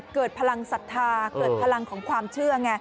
เกิดพลังศรัทธาเกิดพลังของความเชื่อไง